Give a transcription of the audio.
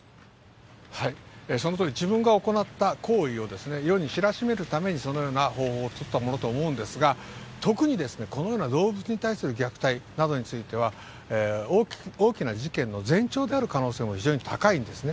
そのとおり、自分が行った行為を、世に知らしめるために、そのような方法を取ったものと思うんですが、特に、このような動物に対する虐待などについては、大きな事件の前兆である可能性も非常に高いんですね。